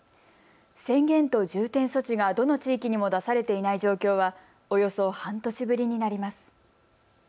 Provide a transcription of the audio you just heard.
宣言と重点措置がどの地域にも出されていない状況はおよそ半年ぶりになります。